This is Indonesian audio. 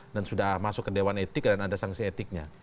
dan sudah masuk ke dewan etik dan ada sanksi etiknya